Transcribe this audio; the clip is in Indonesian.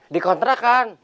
di kontra kan